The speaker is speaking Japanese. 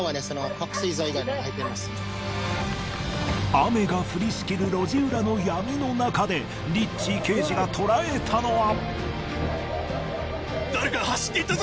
雨が降りしきる路地裏の闇の中でリッチー刑事が捉えたのは。